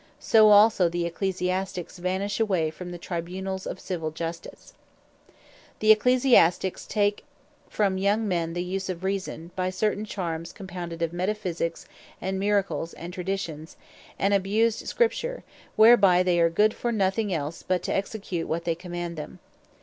So also the Ecclesiastiques vanish away from the Tribunals of Civill Justice. The Ecclesiastiques take from young men, the use of Reason, by certain Charms compounded of Metaphysiques, and Miracles, and Traditions, and Abused Scripture, whereby they are good for nothing else, but to execute what they command them.